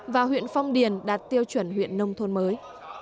và huyện phong điền đạt tiêu chuẩn huyện nông thôn mới